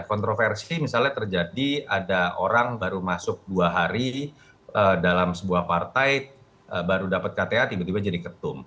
kontroversi misalnya terjadi ada orang baru masuk dua hari dalam sebuah partai baru dapat kta tiba tiba jadi ketum